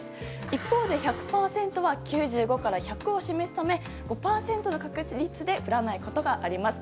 一方で１００％は９５から１００を示すため５％の確率で降らないことがあります。